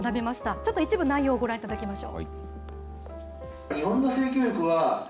ちょっと一部内容をご覧いただきましょう。